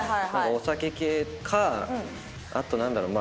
お酒系かあと何だろう？